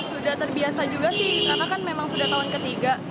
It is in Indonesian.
sudah terbiasa juga sih karena kan memang sudah tahun ketiga